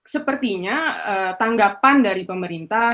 sepertinya tanggapan dari pemerintah